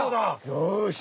よし！